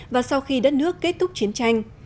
và sau khi đất nước kết thúc chiến tranh